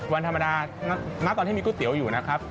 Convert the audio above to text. วันธรรมดาณตอนที่มีก๋วยเตี๋ยวอยู่นะครับ